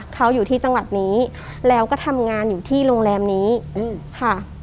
เขาอยู่ที่จังหวัดนี้แล้วก็ทำงานอยู่ที่โรงแรมนี้ค่ะ